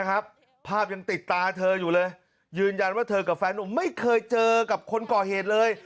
ภาพยังติดตาเธออยู่เลยยืนยันว่าเธอกับแฟนหนุ่มไม่เคยเจอกับคนก่อเหตุเลย